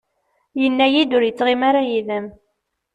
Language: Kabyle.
Yenna-iyi-d ur yettɣimi ara yid-m.